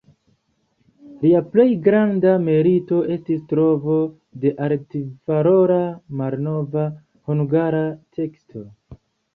Lia plej granda merito estis trovo de altvalora malnova hungara teksto.